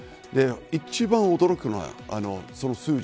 一番驚くのはその数字。